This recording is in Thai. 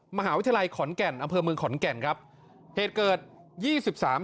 มหาวิทยาลัยขอนแก่นอำเภอเมืองขอนแก่นครับเหตุเกิดยี่สิบสาม